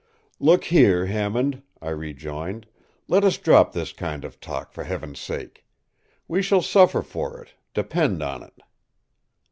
” “Look here, Hammond,” I rejoined, “let us drop this kind of talk, for Heaven’s sake! We shall suffer for it, depend on it.